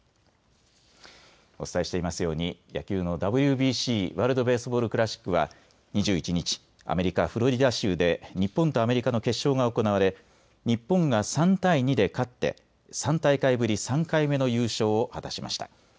お伝えしていますように野球のＷＢＣ・ワールド・ベースボール・クラシックは２１日、アメリカ・フロリダ州で日本とアメリカの決勝が行われ日本が３対２で勝って３大会ぶり３回目の優勝を果たしました。